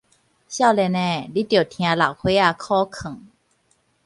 少年的，你著聽老歲仔苦勸